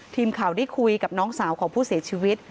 ทีมข่าวได้คุยกับน้องสาวของผู้เสียชีวิต